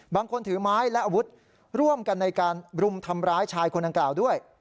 ถือไม้และอาวุธร่วมกันในการรุมทำร้ายชายคนดังกล่าวด้วย